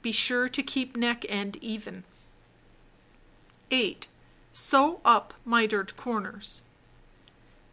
Be sure to keep neck end even. 8. Sew up mitered corners.